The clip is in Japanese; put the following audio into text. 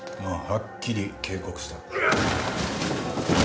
はっきり警告した。